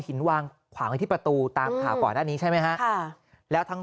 หินวางขวางไว้ที่ประตูตามข่าวก่อนหน้านี้ใช่ไหมฮะค่ะแล้วทั้ง